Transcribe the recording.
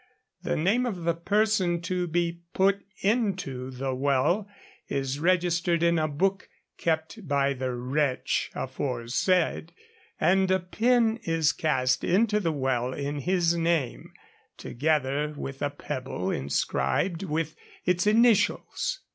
The name of the person to be 'put into' the well is registered in a book kept by the wretch aforesaid, and a pin is cast into the well in his name, together with a pebble inscribed with its initials.